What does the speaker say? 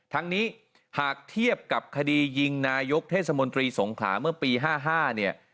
ทั้งนี้หากเทียบกับคดียิงนายกเทศมนตรีสงขลาเมื่อปี๕๕เนี่ย